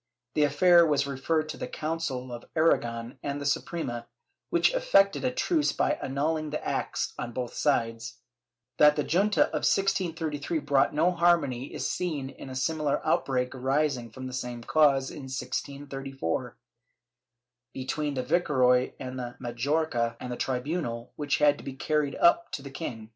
The affair was referred to the Council of Aragon and the Suprema, which effected a truce by annulhng the acts on both sides.^ That the junta of 1633 brought no harmony is seen in a similar outbreak arising from the same cause in 1634, between the viceroy of Majorca and the tribunal, which had to be carried up to the king.